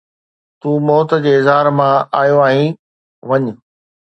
تون موت جي اظهار مان آيو آهين، وڃ